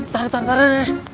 tahan tahan tahan